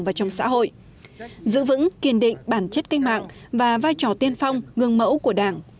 và trong xã hội giữ vững kiên định bản chất kinh mạng và vai trò tiên phong gương mẫu của đảng